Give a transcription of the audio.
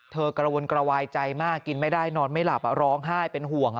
กระวนกระวายใจมากกินไม่ได้นอนไม่หลับร้องไห้เป็นห่วง